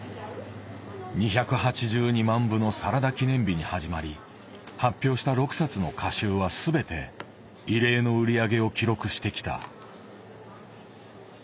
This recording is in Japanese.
２８２万部の「サラダ記念日」に始まり発表した６冊の歌集は全て異例の売り上げを記録してきた。